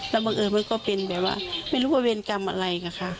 แล้วบังเอิญมันก็เป็นแบบว่าไม่รู้ว่าเวรกรรมอะไรค่ะ